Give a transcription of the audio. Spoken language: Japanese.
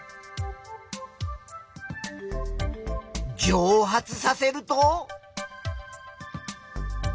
蒸発させると。